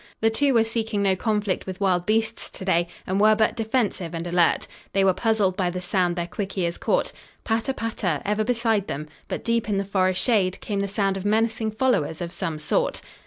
The two were seeking no conflict with wild beasts today and were but defensive and alert. They were puzzled by the sound their quick ears caught. "Patter, patter," ever beside them, but deep in the forest shade, came the sound of menacing followers of some sort.